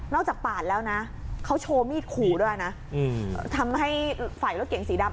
จากปาดแล้วนะเขาโชว์มีดขู่ด้วยนะทำให้ฝ่ายรถเก่งสีดำ